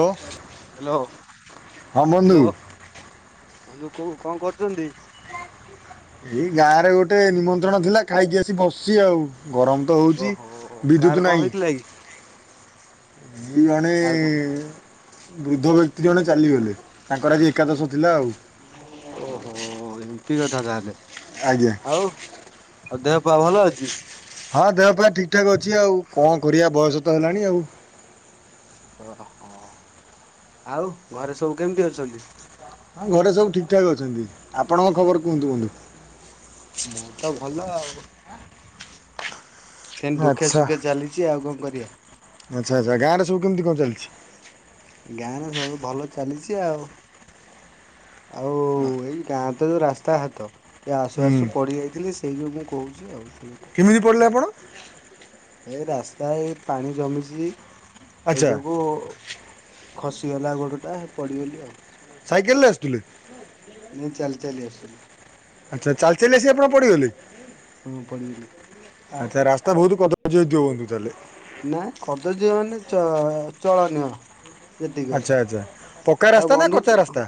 ହୋଉ। Hello hello. ବନ୍ଧୁ କୋଉ କଣ କରୁଛନ୍ତି? ଏଇ ଗାଁ ରେ ଗୋଟେ ନିମନ୍ତ୍ରଣ ଥିଲା, ଖାଇକି ଆସି ବସିଛି ଆଉ। ଗରମ ତ ହଉଛି ଓହୋ ବିଦ୍ୟୁତ କାର କଣ ନାହିଁ ହେଇଥିଲା କି ଜଣେ କାର କଣ ବୃଦ୍ଧ ବ୍ୟକ୍ତି ଜଣେ ଚାଲିଗଲେ ତାଙ୍କର ଆଜି ଏକାଦଶ। ଥିଲା ଆଉ। ଠିକ କଥା ତାହେଲେ ଆଜ୍ଞା। ହଉ ଦେହ ପା ଭଲ ଅଛି? ହଁ ଦେହପା ଠିକ ଠାକ ଅଛି ଆଉ କଣ। କରିଆ ବୟସ ତ ହେଲାଣି ଆଉ। ଓହ ଆଉ ଘରେ ସବୁ କେମିତି ଅଛନ୍ତି? ହଁ ଘରେ ସବୁ ଠିକ ଠାକ୍ ଅଛନ୍ତି। ଆପଣଙ୍କ ଖବର କୁହନ୍ତୁ ବୁନ୍ଧୁ? ମୁଁ ତ ଭଲ ଆଉ। ସେମିତି ଦୁଃଖେ ଆଚ୍ଛା ସୁଖେ ଚାଲିଛି ଆଉ କଣ କରିବା। ଆଚ୍ଛା ଆଚ୍ଛା ଗାଁ ରେ ସବୁ କେମିତି କଣ ଚାଲିଛି? ଗାଁରେ ସବୁ ଭଲ ଚାଲିଛି ଆଉ ଆଉ ଏଇ ଗାଁ ତ ଯୋଉ ରାସ୍ତା ହାତ ଟିକେ ଆସୁ ହୁଁ ଆସୁ ପଡିି ଯାଇଥିଲି ସେଇ ଯୋଉ ମୁଁ କହୁଛି ଆଉ। ସେଇ କଥା। କେମିତି ପଡିଲେ ଆପଣ? [inaudible] ଏଇ ରାସ୍ତା ଏଇ ପାଣି ଜମିଛି। ସେଇ ଆଚ୍ଛା ଯୋଗୁଁ ଖସିଗଲା ଗୋଡଟା ପଡିଗଲି ଆଉ। ସାଇକେଲରେ ଆସିଥିଲି। ନଁ ଚାଲି ଚାଲି ଆସିଲି। ଆଚ୍ଛା ଚାଲି ଚାଲି ଆସି ଆପଣ ପଡିଗଲେ? ହଁ ପଡ଼ିଗଲି। ଆଛା ରାସ୍ତା ବହୁତ କଦର୍ଯ୍ୟ ତାହେଲେ ନା କଦଯ୍ୟ ମାନେ ଚ ଚଳନୀୟ ଯେତିକି ଆଚ୍ଛା ଅଛି। ଆଚ୍ଛା ପକ୍କା ଆଉ ରାସ୍ତା ନା କଚା ବନ୍ଧୁତ ରାସ୍ତା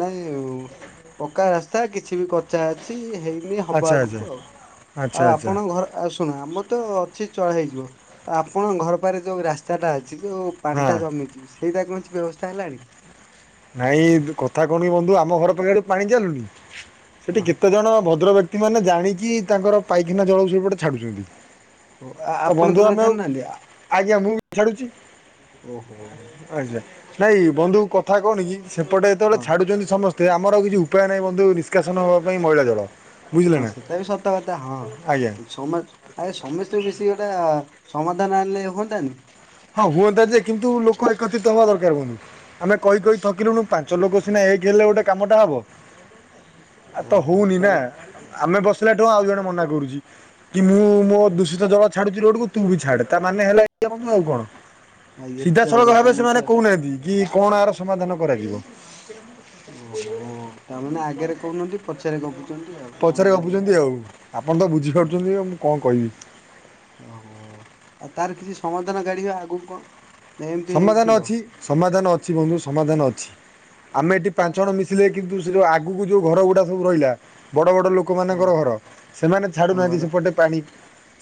ନାଇଁ ପକା ରାସ୍ତା କିଛି ବି କଚ୍ଚା ଅଛି ହେଇ ହବ ଆଚ୍ଛା ଆଚ୍ଛା ଆଗକୁ ଆଉ। ଆଚ୍ଛା ଆଉ ଆଚ୍ଛା ଆପଣ ଘର ଆଉ ଶୁଣ ଆମ ତ ଅଛି ଚଳ ହେଇଯିବ। ଆଉ ଆପଣଙ୍କ ଘର ପାଖରେ ଯୋଉ ରାସ୍ତାଟା ଅ ସେଇ ଯୋଉ ପାଣି ଟା ହଁ ଜମିଛି। ସେଇଟା କଣ ହେଇଚି? ବ୍ୟବସ୍ଥା ହେଲାଣି ନାଇଁ କଥା କଣ କି ବନ୍ଧୁ ଆମ ଘର ପାଖରେ ପାଣି ଚାଲୁନି ହଁ ସେଠି କେତେ ଜଣ ଭଦ୍ର ବ୍ୟ କ୍ତି ମାନେ ଜାଣିକି ତାଙ୍କର ପାଇଖିନା ଜଳକୁ ସେଇପଟେ ଛାଡୁଛନ୍ତି। ଓ ଆପଣ ତଳେ ଛାଡୁ ନାହାଁନ୍ତି। ଛାଡ଼ୁଚି ଆଛା। ନାଇଁ ବନ୍ଧୁ କ କଥା କଣ କି? ସେପଟେ ଯେତେବେଳେ ହଁ। ଛାଡୁଛନ୍ତି ସମସ୍ତେ ତ ଆମର ଆଉ କିଛି ଉପାୟ ନାହିଁ ବନ୍ଧୁ ନିଷ୍କାସନ ହବା ପାଇଁ ମଇଳା ଜଳ। ବୁଝିଲେ ହଁ ନା ସେଟା ବି ସତ କଥା ହଁ ଆଜ୍ଞା ସମ ଆରେ ସମସ୍ତେ ମିଶି ଗୋଟେ ସମାଧାନ ଆଣିଲେ ହୁଅନ୍ତାନି? ହଁ ହୁଅନ୍ତା ଯେ କିନ୍ତୁ ଲୋକ ଏକତ୍ରିତ ହବା ଦରକାର ପୁଣି ଆମେ କହି କହି ଥକିଲୁଣୁ ପାଞ୍ଚ ଲୋକ ସିନା ଏକ ହେଲେ ଗୋଟେ କାମଟା ହବ। ଆଉ ତ ଓହୋ ହଉନି ନା। ତାହେଲେ ଆମେ ବସିଲା ଠୁ ଆଉ ଜଣେ ମନା କି ମୁଁ ମୋ ଦୂଷିତ ଜଳ ଛାଡୁଛି ଲଡ଼ୁକୁ ତୁ ବି ଛାଡ଼େ। ତା ମାନେ ହେଲା ଏକଲା ବନ୍ଧୁ ଆଉ କଣ? ଆ ଏତେ ବଡ ସିଧାସଳଖ ଭାବେ ସେମାନେ ସମସ୍ୟା କହୁନାହାନ୍ତି। କି କଣ ଏହାର ସମାଧାନ କରାଯିବ? ଓହୋ ତାମାନେ ଆଗରେ କହୁନାହାନ୍ତି ପଛରେ ଗପୁଛନ୍ତି ଆଉ ପଛରେ ତାମାନେ ଏଇଆ ଭାବୁଛନ୍ତି ଆଉ ଆପଣ ତ ଓ ବୁଝିପାରୁଛନ୍ତି ଆଉ ମୁଁ କଣ କହିବି? ଓହୋ ଆଉ ତାର କିଛି ସମାଧାନ କାଢ଼ିବା ଆଗକୁ କଣ? ନା ଏମିତି ହେଇକି ସମାଧାନ ଥିବ ଅଛି ସମାଧାନ ଅଛି ବନ୍ଧୁ ସମାଧାନ ଅଛି। ଆମେ ଏଠି ପାଞ୍ଚ ଜଣ ମିଶିଲେ କିନ୍ତୁ ସେ ଯୋଉ ଆଗକୁ ଯୋଉ ଘର ଗୁଡା ସବୁ ରହିଲା ବ ବଡ଼ ବଡ଼ ହଁ ଲୋକମାନଙ୍କର ଘର। ସେମାନେ ହଁ ଛାଡ଼ୁନାହାଁନ୍ତି ଘର ସେପଟେ ପାଣି।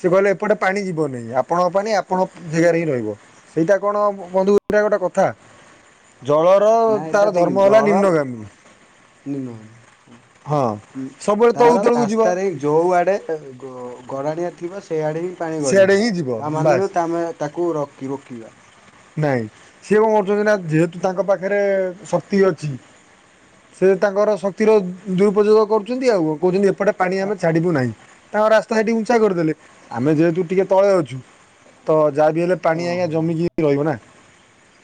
ସେ କହିଲେ ଏପଟେ ପାଣି ଯିବନହିଁ ଆପଣଙ୍କ ପାଣି ଆପଣ ଜାଗାରେ ହିଁ ରହିବ ସେଇଟା। କଣ ବନ୍ଧୁ ଏଟାଗୋଟେ କଥା। ଜଳର ନାଇଁ ତାର ଏଟା ଠିକ ଧର୍ମ ହେଲା ଜଳ ନିମ୍ନଗାମୀ ନୁହଁ ହଁ ସବୁବେଳେ ତଳୁ ତାର ତଳକୁ ଯିବ ରାସ୍ତାରେ ଯୋଉ ଆଡେ ଗ ଗରାଣିଆ ଥିବ ସେ ସେଇଆଡେ ହିଁ ପାଣି ସିଆଡ଼େ ଗଡିବ ହିଁ ଯିବ ତା ବାସ୍ ମାନେ ତାମେ ତାକୁ। କିି ରୋକିବା। ନାଇଁ ସିଏ କଣ କରୁଛନ୍ତି ନା ଯେହେତୁ ତାଙ୍କ ପାଖରେ ଶକ୍ତି ଅଛି ସେ ତାଙ୍କର ଶକ୍ତିର ଦୁରୁପଯୋଗ କରୁଛନ୍ତି ଆଉ କହୁଛନ୍ତି। ଏପଟେ ପାଣି ଆ ଆମେ ଛାଡିବୁ ନାହିଁ। ତାଙ୍କ ରାସ୍ତା ସେଠି ଉଛା କରିଦେଲେ ଆମେ ଯେହେତୁ ଟିକେ ତଳେ ଅଛୁ ତ। ଯାହା ବି ହେଲେ ପାଣି ଆଜ୍ଞା ଜମିକି। ନା [inaudible]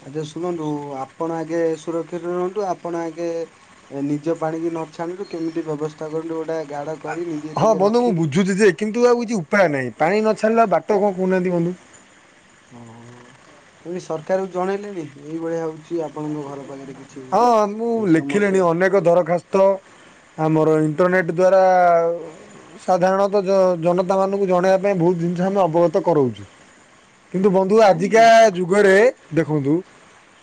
ଆଛା ଶୁଣନ୍ତୁ ଆପଣ ଆଗେ ସୁରକ୍ଷିତ ରୁହନ୍ତୁ ଆପଣ ଆଗେ ନିଜ ପାଣିକି ନ ଛାଣନ୍ତୁ କେମିତି ବ୍ୟବସ୍ଥା କରନ୍ତୁ ଗୋଟେ ଗାଡ। ହଁ ବନ୍ଧୁ ମୁଁ ବୁଝୁଛି ଯେ କିନ୍ତୁ ଆଉ କିଛି ଉପାୟ ନାହିଁ ପାଣି ନ। [inaudible] ଓ ସେ ସରକାରକୁ ଜଣେଇଲେଣି ଏଇଭଳିଆ ହଉଛି ଆପଣଙ୍କ ଘର। ପାଖରେ କିଛି ହଁ ମୁଁ ଏ ସମସ୍ୟା ଲେଖିଲିଣି ଅନେକ ଦରଖାସ୍ତ ଆମର ଏ ଇଣ୍ଟରନେଟ୍ ଦ୍୍ୱାରା ସାଧାରଣତଃ ଜନତାମାନଙ୍କୁ ଜଣାଇବା ପାଇଁ ବହୁତ ଜିନିଷ ଆମେ ଅବଗତ କରାଉଛୁ କିନ୍ତୁ ବନ୍ଧୁ ଆଜିକା କାହିଁ ଯୁଗରେ ଦେଖନ୍ତୁ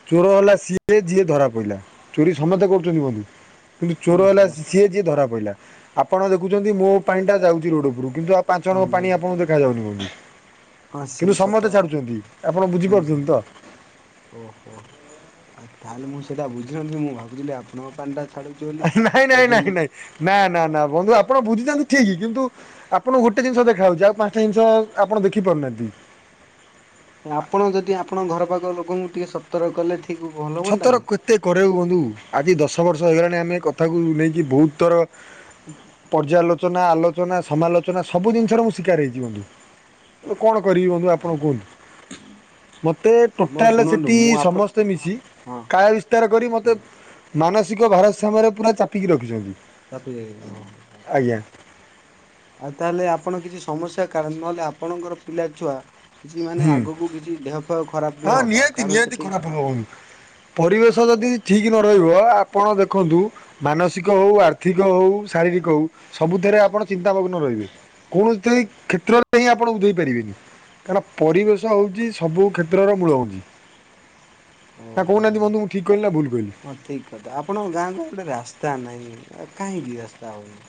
ଚୋର ହେଲା ସିଏ ଯିଏ ଧରା। କହିଲା ଚୋରି ସମସ୍ତେ କରୁଛନ୍ତି ବନ୍ଧୁ। କିନ୍ତୁ ହଁ ଚୋର ହେଲା ସମସ୍ୟା ସିଏ ଯିଏ ଧରା। କହିଲା ଆପଣ ଦେଖୁଛନ୍ତି ମୋ ପାଇଁ ଟା ଯାଉଛି ରୋଡ ଉପରୁ। କିନ୍ତୁ ଆ ପାଞ୍ଚ ହଁ ଜଣଙ୍କ ପାଣି ଯାଉଛି ଆପଙ୍କୁ ଦେଖାଯାଉନି କଉଠି ହଁ ସେ ବି ସତ କ ଆପଣ ହ ବୁଝିପାରୁଛନ୍ତି ତ ଓହୋ ଆଉ ତାହେଲେ ମୁଁ। ସେଇଟା ବୁଝିିନଥିଲିନ୍ତି ମୁଁ ଭାବୁଥିଲି ଆପଣଙ୍କ ପାଣିଟା। ଛାଡୁଛି ବୋଲି ନାଇଁ ସେଇ ନାଇଁ ଯୋଉ ନାଇଁ ଲୋକ ନାଇଁ ନ। ନା ନା ବନ୍ଧୁ ଆପଣ ବୁଝିଥାନ୍ତି ଠିକ କିନ୍ତୁ ଆପଣଙ୍କୁ ଗୋଟେ ଜିନିଷ ଦେଖାହେଉଛି ଆଉ ପାଞ୍ଚଟା ଜିନିଷ ଆପଣ ଦେଖି ପାରୁନାହାନ୍ତି ଆପଣ ଯଦି ଆପଣ ଘର ପାଖ ଲୋକଙ୍କୁ। ଟିକେ ସତର କଲେ ଠିକ ଭଲ ସତର ହୁଅନ୍ତାନି କେତେ କରେବ ବନ୍ଧୁ ଆଜି ଦଶ ବର୍ଷ। ଆମେ କ ନେଇି ବତର ପର୍ଯ୍ୟାଲୋଚନା ଆଲୋଚନାାଲଚନାୁ ଜିରାର ହେୁ [inaudible] କରିବୁ ଆପଣ କୁହନ୍ତୁ ମତେ ଆପଣ ଟୋଟାଲ ଶୁଣନ୍ତୁ ସେଠି ମୁଁ ଆପଣ ସମସ୍ତେ ମିଶି। ହଁ କାୟ ବିସ୍ତାର କରି ମତେ ହଁ ମାନସିକ ଭାରସ୍ୟାମରେ ପୁରା ଚାପିକି ରଖିଛନ୍ତି। ତାପି ଦେଇ ହ ହ, ଆଜ୍ଞା ଆଉ ତାହେଲେ ଆପଣ କିଛି ସମସ୍ୟା କା ନହେଲେ ଆପଣଙ୍କର ପିଲା ଛୁଆ କିଛି ମାନେ ହୁଁ ଆଗକୁ କିଛି ଦେହ ଫେହ୍ ହଁ ନିହାତି ନିହାତି ଖରାପ ହବ କଣ ପରିବେଶ ଯଦି ଠିକ ରହିବ ଆପଣ ଦେଖନ୍ତୁ ମାନସିକ ହଉ ଆର୍ଥିକ ହଉ ଶାରୀରିକ ହଉ ସବୁଥିରେ ଆପଣ ଚିନ୍ତାମଗ୍ନ ରହିବେ କୌଣସି କ୍ଷେତ୍ରରେ ହିଁ ଆପଣ ବୁଝେଇ ପାରିବେନି। କାରହି ପରିବେଶ ହଉଛି ସବୁ କ୍ଷେଟ୍ର [unintelligible] ନା ଓହୋ। କହୁନାହାନ୍ତି ବନ୍ଧୁ ମୁଁ ଠିକ୍ କହିଲି ନା ଭୁଲ୍? ହଁ ଠିକ୍ କଥା। ଆପଣଙ୍କ ଗାଁକୁ ଗୋଟେ ରାସ୍ତା ନାହିଁ। କାହିଁକି ରାସ୍ତା ହଉନି?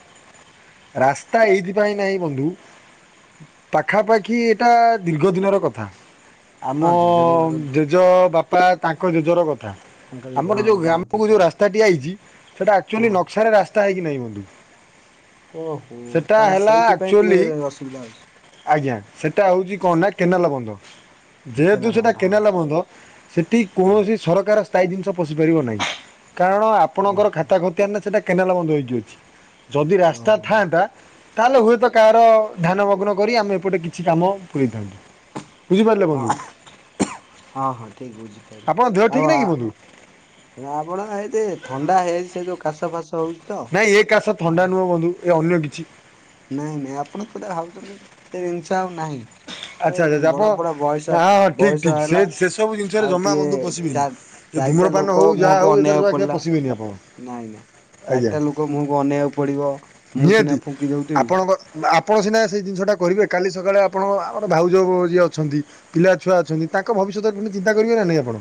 ରାସ୍ତା ଏଇଥିପାଇଁ ନାହିଁ ବନ୍ଧୁ, ପାଖାପାଖି ଏଇଟା ଦୀର୍ଘ ଦିନର କଥା। ହଁ ଆମ ଦୀର୍ଘ ଜେଜ ବାପ ତା ତାଙ୍କ ଜେଜର ଗ ତାଙ୍କ ଆମର ହଁ ଯୋଉ ହଁ ଠିକ ଗ୍ରାମକୁ ଯୋଉ କଥା ରାସ୍ତାଟି ଆଇଛି। ସେଟା ଆକ୍ଚୁଆଲି ହଁ। ନଖିଆ ର ରାସ୍ତା ହେଇ କି ନାଇ ବନ୍ଧୁ? ଓହୋ। ସେଟା ତାହେଲେ ହେଲା ସେଇଥିପାଇଁ ଆକ୍ଚୁଆଲି ଟିକେ ଅସୁବିଧା ହଉଚି? ଆଜ୍ଞା ସେଟା ହଉଛି କଣ ନା କେନାଲ ବନ୍ଧ। ଯେହେତୁ କେନାଲ ସେଇଟା ବନ୍ଧ ହଁ। କେନାଲ ବନ୍ଧ। ସେଠି ହୁଁ କୌଣସି ସରକାର ପାଇପ୍ ଜିନିଷ ପସି ପାରିବ ନାହିଁ। କାରଣ ଆପଣଙ୍କର ଓହୋ ଖାତା ଖତିଆନ ରେ ସେଟା କେନାଲ ବନ୍ଧ ହେଇ [unintelligible] ଯଦି ତା ଓହୋ ଥାନ୍ତା ତାହେଲେ ହୁଏତ କାହାର ଧ୍ୟାନମଗ୍ନ କରି ଆମେ ଏପଟେ କିଛି କାମ ପୂରେଇ ଥାନ୍ତୁ। ହଁ ହଁ ହଁ ଠିକ୍ ବୁଝିପାଇଲି। ଆପଣଙ୍କ ଦେହ ଆଉ ଠିକ୍ ନାହିଁ କି ବନ୍ଧୁ? ଆ- ଆପଣ ଏତେ ଥଣ୍ଡା ହେଇଯାଇଚି ସେ ଯୋଉ କାଶ ଫାଶ ହଉଛି ତ ନାଇଁ ଏ କାଶ ହଁ, ଥଣ୍ଡା ନୁହଁ ବନ୍ଧୁ। ଏ ଅନ୍ୟ କିଛି ନାଇଁ ନାଇଁ ଆପଣ କୋଉଟା ଭାବୁଚନ୍ତି ସେ ଜିନିଷ ଆଉ ନାହିଁ। ଏ ଆଚ୍ଛା ଆଚ୍ଛା ଆପଣ ବଡ ପଡ ନା ବୟସ ହଁ ଠିକ୍ ବୟସ ଠିକ୍ ସେ ହେଲା। ସେସବୁ ଜିନିଷରେ ଆଉ ଜମା ଟିକେ ବନ୍ଧୁ ପଶିବେନି। ଚା ଏ ଚାରିଟା ଧୂମ୍ରପାନ ଲୋକ ହଉ ଯାହା ମୁହଁକୁ ହଉ ଏଥିରେ ଅନେଇବାକୁ ଜମା କେବେ ପଡିଲା। ପଶିବେନି ଆପଣ ନାଇଁ ନାଇଁ ଆଜ୍ଞା ଚାରିଟା ଲୋକ ମୁହଁକୁ ଅନେଇବାକୁ ପଡିବ। ମୁଁ ସିନା ନିହାତି। ଫୁ ଆପଣଙ୍କ ଆପ୍ ଆପଣ ସିନା ସେ ଜିନିଷଟା କରିବେ, କାଲି ସକାଳେ ଆପଣ ଆ ଅ, ଭାଉଜ କୁ ଯିଏ ଅଛନ୍ତି, ପିଲା ଛୁଆ ଅଛନ୍ତି, ତାଙ୍କ ଭବିଷ୍ୟତ କେମିତି ଚିନ୍ତା କରିବେ ନା ନାଇଁ ଆପଣ?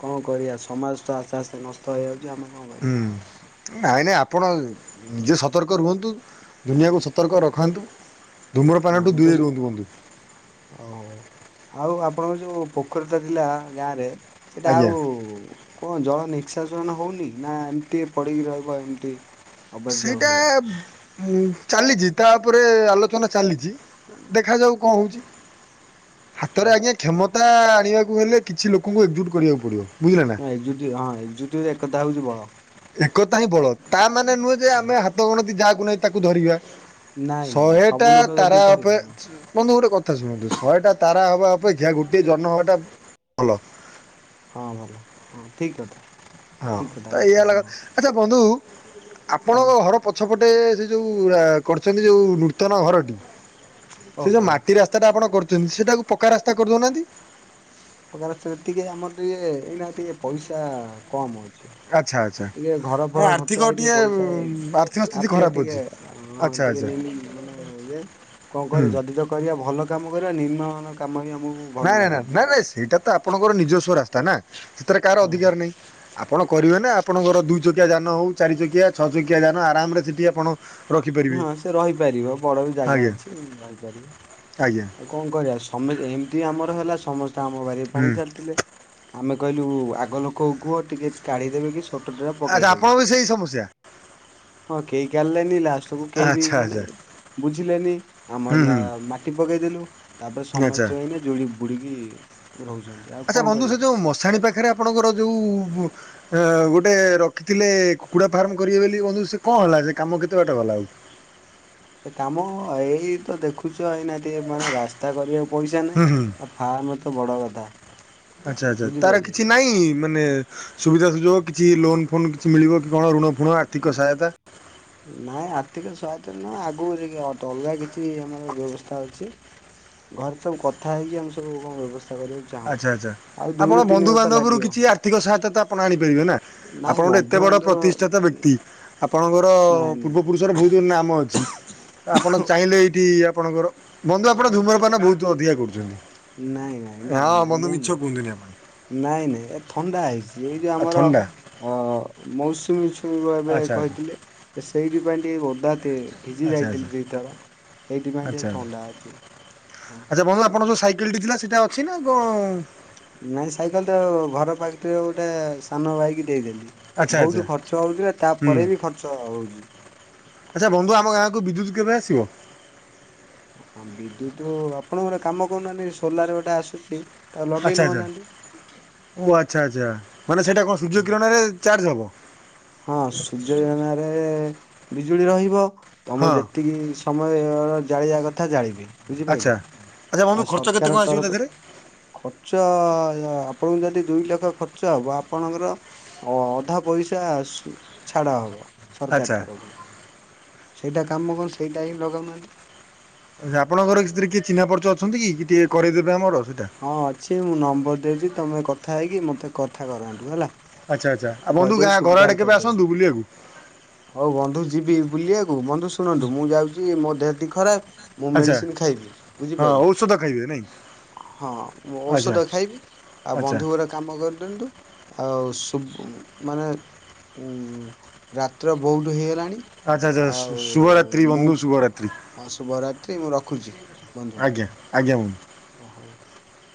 କଣ କରିଆ ସମାଜ ତ ଆସ୍ତେ ଆସ୍ତେ ନଷ୍ଟ ହେଇ ଯେ ଆମେ କଣ ହୁଁ କରିବା? ନାଇଁ ନାହିଁ ଆପଣ ନିଜେ ସତର୍କ ରୁହନ୍ତୁ। ଦୁନିଆକୁ ସତର୍କ ରଖାନ୍ତୁ। ହ ଧୂମ୍ରପାନଠୁ ଆମେ ତ ଦୂରେଇ ସ, ରୁହନ୍ତୁ ବନ୍ଧୁ ହଉ ଆଉ ଆପ ଆପଣଙ୍କ ଯୋଉ ପୋଖରୀଟା ଥିଲା ଗାଁରେ ସେଇଟା ଆଉ ଆଜ୍ଞା। ଉ କଣ ଜଳ ନିକ୍ସ ଇସା ସନା ହଉନି ନା ଏମତି ପଡିକି ରହିବ ଏମିତି ଅବାଜ୍ୟ ସେଇଟା ଭଳିଆ ବ୍ ହୁଁ ଚାଲିଛି ତାପରେ ଆଲୋଚନା ଚାଲିଛି ଦେଖାଯାଉ କଣ ହଉଛି। ହାତରେ ଆଜ୍ଞା ଓହୋ କ୍ଷମତା ଆଣିବାକୁ ହେଲେ କିଛି ଲୋକଙ୍କୁ ଏକଜୁଟ୍ କରିବାକୁ ପଡ଼ିବ। ହ ଏକଯୁତି ହଁ ଏକଯୁତିରେ ଏକତା ହଉଛି ବଳ। ଏକତା ହିଁ ବଳ, ତା ମାନେ ନୁହେଁ ଯେ ହଁ। ଆମେ ହାତ ଗଣତି ଯାହା ତା ନେଇ ତାକୁ ଧରିବା ନାଇଁ ନାଇଁ ନାଇଁ ଶହେ ସବୁ ଟା ଲୋକ ଯଦି ତାରା କହିବେ ପେ ହଁ ସୁ ବନ୍ଧୁ ଗୋଟେ କଥା ଶୁଣନ୍ତୁ ଶହେ ଟା ତାରା ହବା ଅପେକ୍ଷା ଗୋଟିଏ ଜନ ହବା ଟା ଭଲ। ହଁ ଭଲ ହଁ ଠିକ କଥା। ହଁ। ଠିକ କଥା ତ ଏଇ କହୁଛନ୍ତି ହେଲା ହଁ ଆଚ୍ଛା ବନ୍ଧୁ ହଁ ଆପଣଙ୍କ ଘର ପଛପଟୁ ଗୋଟେ ଏ ସେଇ ଯୋଉ ଆ କରିଛନ୍ତି ଯୋଉ ନୂତନ ଘରଟି ସେ ଯୋଉ ଓହୋ ମାଟି ରାସ୍ତା ଟା ଆପଣ କରୁ ତିନ୍ ସେଟାକୁ ପକ୍କା ରାସ୍ତା କରିଦଉନାହାନ୍ତି? ଉପକାରତିକି ଆମର ଟିକେଏଇନା ଟିକେ ପଇସା କମ୍ ହଉଛି। ଆଚ୍ଛା ଆଚ୍ଛା ଟିକେ ଘର ହଁ ଫର ଆର୍ଥିକ ଖର୍ଚ୍ଚ ହେଇଥେ ଟିକେ ପଇସା ହେଆଇ ଆର୍ଥିକ ସ୍ଥିତି ଆତିଏ ଖରାପ ଟିକେ ଅଛି ଆ ହଁ ଆଚ୍ଛା ଟିକେ ଆଚ୍ଛା ନି ମାନେ ଇଏ କଣ ହୁଁ କର ଯଦି ତ କରିବା ଭଲ କାମ କରିବା ନିମ୍ନ ନୂଆ କାମ ଆଜ୍ଞା ନାଇଁ ନାଇଁ ନା ନାଇଁ ନାଇ ସେଇଟା ତ ଆପଣଙ୍କର ନିଜସ୍ୱ ରାସ୍ତା ନା। ସେଥିରେ କାହାର ହଁ ଅଧିକାର ନାହିଁ। ଆପଣ କରିବେ ନା ଆପଣଙ୍କର ଦୁଇ ଚକିଆ ଯାନ ହେଉ ଚାରି ଚକିଆ ଛଅ ଚକିଆ ଯାନ ଆରାମରେ ସେଠି ଆପଣ ରଖିପାରିବେ ହଁ ସେ ରହିପାରିବ ବଡ ବି ଜାଗା ଆଜ୍ଞା ଅଛି ରହିପାରିବ। ଆଜ୍ଞା ଆଉ କଣ କରି ଆସୁ ତମେ ଏମିତି ଆମର ହେଲା ସମସ୍ତେ ଆମ ବାରେ ହୁଁ ପାଣି ଠେଲଥିଲେ। ଆମେ କହିଲୁ ଉ ଆଗ ଲୋକ କୁହ ଟିକେ କାଢ଼ିଦେବେ କିସ ଆଚ୍ଛା। ଆପଣ ବି ସେଇ ସମସ୍ୟା। ହଁ କେହି କାରିଲେନି ଲାଷ୍ଟ ସବୁ କେହି ବି ଆଚ୍ଛା ମାନେ, ଆଚ୍ଛା ବୁଝିଲେନି, ହୁଁ ଆମର ଲା ହୁଁ ମା ପକେଇଦେଲୁ, ତାପରେ ଆଚ୍ଛା ସମସ୍ତେ ଏଇନେ ଯୁଡ଼ି ବୁଡି। ଡିକି। ଆଚ୍ଛା ବନ୍ଧୁ ସେ ଯୋଉ ମଶାଣି ପାଖରେ। ଆପଣଙ୍କର ଯୋଉ। ଅ ଗୋଟେ ରଖିଥିଲେ କୁକୁଡା ଫାର୍ମ କରିବେ ବୋଲି। ବନ୍ଧୁ ସେ କଣ ହେଲା ସେ କାମ କେତେ ବାଟ ଗଲା ଆଉ। ସେ କାମ ଏଇ ତ ଦେଖୁଛ ଏଇନା ଟିକେ ମାନେ ରାସ୍ତା କରିବାକୁ ପଇସା ହୁଁ ନାହିଁ। ହୁଁ ଆ ଫାର୍ମ ତ ବଡ କଥା ଆଚ୍ଛା ଆଚ୍ଛା ତାର ବୁଝିପାଇଲେ। କିଛି ନାହିଁ ମାନେ ସୁବିଧା ସୁଯୋଗ କିଛି ଲୋନ ଫୋନ କିଛି ମିଳିବ କି। କଣ ଋଣ ଫୁଣ ଆର୍ଥିକ ସହାୟତା। ନାଇଁ ଆର୍ଥିକ ସହାୟତା ନୁହଁ ଆଗକୁ ଯାଇକି ଅଲଗା କିଛି ଆମର ବ୍ୟବସ୍ଥା ଅଛି। ଘରେ ସବୁ କଥା ହେଇକି ଆମେ ସବୁ କଣ ବ୍ୟବସା। ଆଚ୍ଛା ଆଛା ଆପଣ ବନ୍ଧୁ ବର୍ଷ ବାନ୍ଧବ ରୁ ଲାଗିବ କିଛି ଆର୍ଥିକ ସହାୟତା ତ ଆପଣ ଆଣିପାରିବେ ନା। ନାଇଁ ଆପଣ ଗୋଟେ ଏତେ ବଡ ବନ୍ଧୁବାନ୍ଧବ ପ୍ରତିଷ୍ଠାତା ବ୍ୟକ୍ତି। ଆପଣଙ୍କର ନାଇଁ ପୂର୍ବ ନାଇଁ ପୁରୁଷର ବହୁତ ନାମ ଅଛି। ଆପଣ ଚାହିଁଲେ ଏଇଠି। ଆପଣଙ୍କର ବନ୍ଧୁ ଆପଣ ଧୁମ୍ରପାନ ବହୁତ ଅଧିକା କରୁଛନ୍ତି। ନାଇଁ ନା ନାଇଁ ହଁ ନାଇଁ ବନ୍ଧୁ ମୁଁ ମିଛ କୁହନ୍ତୁନି ଆପଣ ନୁହଁ। ନାଇଁ ନାଇଁ ଏ ଥଣ୍ଡା ହେଇଛି ଏଇ। ଯେ ଆଉ ଆମର ଥଣ୍ଡା ମଉସୁମି ଛୁଇଁବ ଏବେ ଆଚ୍ଛା ଆଚ୍ଛା କହିଥିଲେ। ସେଇଥି ପାଇଁ ଟିକେ। କି ଓଦା ତେ। ଭିଜି ଆଚ୍ଛା ଆଚ୍ଛା ଯାଇଥିଲି ଦିଥର। ଆଚ୍ଛା ସେଇଥିପାଇଁ ଆଚ୍ଛା ଟିକ ଥଣ୍ଡା ଅଛି ହଁ। ସାଇକେଲ ଟି ଥିଲା ସେଇଟା ଅଛି ନା କଣ। ସେଟା ସାନ ଭାଇକି ଦେଇଦେଲି। ଆଚ୍ଛା ଆଚ୍ଛା ବହୁତ ଖର୍ଚ୍ଚ ହଉଥିଲା ହୁଁ ତାପରେ ବି ଖର୍ଚ୍ଚ ହଉଛି। କୁ ବିଦ୍ୟୁତ୍ କେବେ ଆସିବ। ଆ ଆ ବିଦ୍ୟୁତ ଆପଣଙ୍କ ଗୋଟେ କାମ କରୁନାହାନ୍ତି। ସୋଲାର ଗୋଟେ ଆସୁଛି। ତାକୁ ଲଗେଇ ଆଚ୍ଛା ଆଚ୍ଛା ଦଉନାହାନ୍ତି। ଓ ଆଚ୍ଛା ଆଛା ମାନେ ସେଇଟା କଣ ହଁ ସୂର୍ଯ୍ୟ କିରଣରେ ଚାର୍ଜ ହବ। ହଁ ସୂଯ୍ୟ କିରଣ ରେ। ବିଜୁଳି ରହିବ। ହଁ ତମର ଯେତିକି ସମୟର। ଜାଳିବା କଥା ଜାଳିବେ। ଆଚ୍ଛା। ବୁଝିପାଇଲେ। ଆଚ୍ଛା ବନ୍ଧୁ ଆଉ ଖର୍ଚ୍ଚ କେତେ ସରକାର କଣ ଆସିବ ତା ତରଫ ଦେହରେ ଖର୍ଚ୍ଚ ଅ ଆପଣଙ୍କୁ ଯଦି ଦୁଇ ଲକ୍ଷ ଖର୍ଚ୍ଚ। ଖର୍ଚ୍ଚ ହବ ଆପଣଙ୍କର ଅ ଅଧା ପଇସା ଆ ସ ଛାଡ଼ ହବ। ସରକାର ଆଚ୍ଛା। ତରଫରୁ। ସେଇଟା କାମ କଣ ସେଇଟା ହିଁ ଲଗାଉନାହାନ୍ତି। ଆଚ୍ଛା ଆପଣଙ୍କର ସେଥିରେ କିଏ ଚିହ୍ନା ପରିଚିତ ଅଛନ୍ତି କି, ଟିକେ କରେଇଦେବେ ଆମର। ସେଇଟା ହଁ ଅଛି ମୁଁ ନମ୍ବର ଦଉଛି। ତମେ କଥା ହେଇକି ମତେ କଥା କରାନ୍ତୁ ହେଲା। ଆଚ୍ଛା ଆଚ୍ଛା ଆଉ ବନ୍ଧୁ କହିଦେବି ଗାଁ ଘର ଆଡ଼େ ସୁବିଧାରେ କେବେ କରିଦେବି ଆସନ୍ତୁ ବୁଲିବାକୁ ହଉ ବନ୍ଧୁ ଯିବି ବୁଲିବାକୁ ବନ୍ଧୁ ଶୁଣନ୍ତୁ ମୁଁ ଯାଉଛି ମୋ ଦେହଟି ଖରାପ ମୁଁ ଆଚ୍ଛା ମେଡିସିନ ଖାଇବି ହଁ ବୁଝିପାଇଲେ ଔଷଧ ଖାଇବେ ନାଇଁ ହଁ ମୁଁ ଆଚ୍ଛା ଔଷଧ ଖାଇବି ଆଉ ଆଚ୍ଛା ବନ୍ଧୁଙ୍କର କାମ କରିଦିଅନ୍ତୁ ଆଉ। [unintelligible] ମାନେ ଉ ରାତ୍ର ବହୁତ ହେଇଗଲାଣି। ଆଚ୍ଛା ଆଚ୍ଛା ଆଉ ଶୁଭରାତ୍ରି ମୁଁ ବନ୍ଧୁ ଶୁଭରାତ୍ରି ହ ଶୁଭରାତ୍ରି ମୁଁ ରଖୁଛି ବନ୍ଧୁ। ଆଜ୍ଞା ଆଜ୍ଞା ବନ୍ଧୁ। [unintelligible]